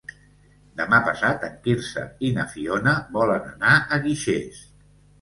Demà passat en Quirze i na Fiona volen anar a Guixers.